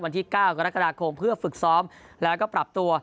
วันที่๙กรกฎาคมเพื่อฝึกซ้อมแล้วก็ปรับตัว